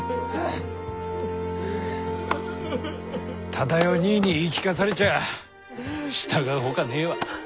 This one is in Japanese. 忠世兄ぃに言い聞かされちゃ従うほかねえわ。